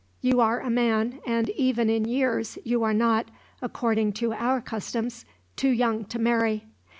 You are a man, and even in years you are not, according to our customs, too young to marry.